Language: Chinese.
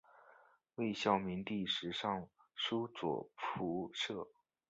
魏孝明帝时尚书左仆射。